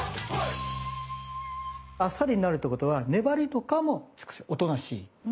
あっさりになるってことは粘りとかもおとなしい。